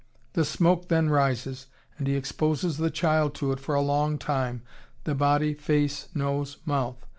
The smoke then rises, and he exposes the child to it for a long time, the body, face, nose, mouth.